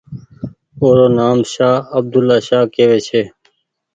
او رو نآم شاه عبدولآشاه ڪيوي ڇي۔